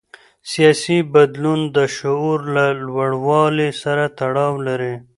سیاسي بدلون د شعور له لوړوالي سره تړاو لري